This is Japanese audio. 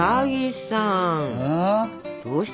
どうした？